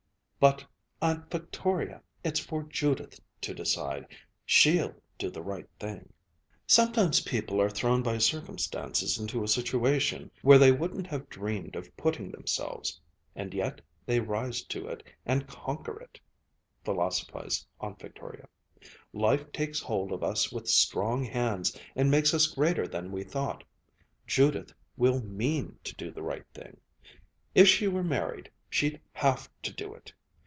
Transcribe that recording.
"But Aunt Victoria, it's for Judith to decide. She'll do the right thing." "Sometimes people are thrown by circumstances into a situation where they wouldn't have dreamed of putting themselves and yet they rise to it and conquer it," philosophized Aunt Victoria. "Life takes hold of us with strong hands and makes us greater than we thought. Judith will mean to do the right thing. If she were married, she'd have to do it!